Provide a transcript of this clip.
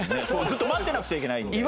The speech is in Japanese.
ずっと待ってなくちゃいけないので。